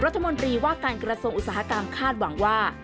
รัฐมนตรีว่าการกระทรวงอุตสาหกรรมคาดหวังว่า